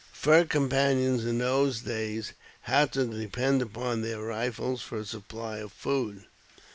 Fur companies in those days had to depend upon their rifles for a supply of food.